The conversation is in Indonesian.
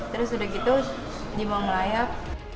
terus sudah gitu dibawa ngelayap